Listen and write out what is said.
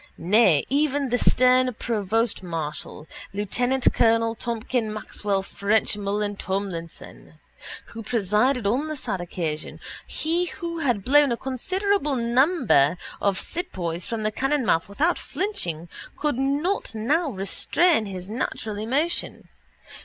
Nay, even the stern provostmarshal, lieutenantcolonel Tomkin Maxwell ffrenchmullan Tomlinson, who presided on the sad occasion, he who had blown a considerable number of sepoys from the cannonmouth without flinching, could not now restrain his natural emotion.